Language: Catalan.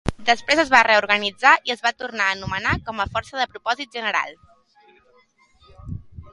Després es va reorganitzar i es va tornar a anomenar com a força de propòsit general.